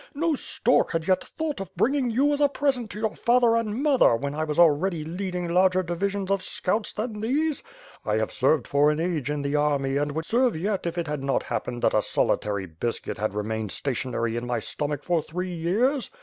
No stork had yet thought of bringing you as a present to your father and mother, when I was already leading larger divisions of scouts than these. I have served for an age in the army and would serve yet if it had not happened that a solitary biscuit had remained sta tionary in my stomach for three years.